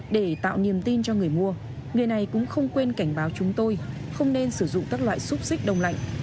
để tạo niềm tin cho người mua người này cũng không quên cảnh báo chúng tôi không nên sử dụng các loại xúc xích đông lạnh